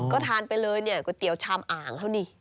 ก็ทานไปเลยเนี่ยก๋วยเตี๋ยวชามอ่างเท่านี้